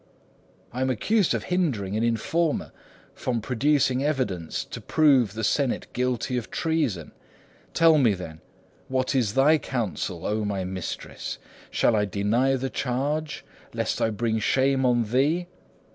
I am accused of hindering an informer from producing evidence to prove the senate guilty of treason. Tell me, then, what is thy counsel, O my mistress. Shall I deny the charge, lest I bring shame on thee?